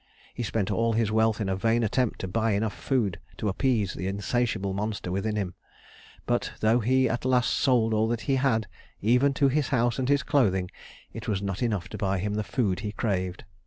He spent all his wealth in a vain attempt to buy enough food to appease the insatiable monster within him; but, though he at last sold all that he had, even to his house and his clothing, it was not enough to buy him the food he craved.